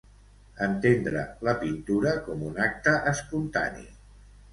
Entendre la pintura com un acte espontani.